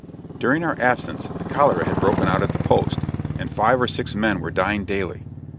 During our absence the cholera had broken out at the post, and five or six men were dying daily.